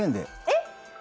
えっ！？